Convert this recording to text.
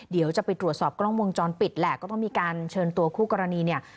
เดี๋ยวจะไปตรวจสอบกล้องวงจรปิดแหละก็ต้องมีการเชิญตัวคู่กรณีเนี่ย